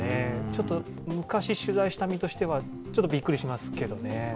ちょっと昔取材した身としては、ちょっとびっくりしますけどね。